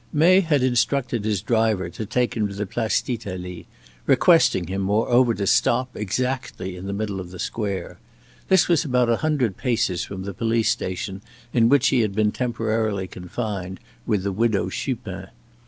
May had instructed his driver to take him to the Place d'Italie: requesting him, moreover, to stop exactly in the middle of the square. This was about a hundred paces from the police station in which he had been temporarily confined with the Widow Chupin.